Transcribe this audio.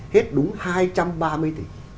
hết đúng hai trăm ba mươi tỷ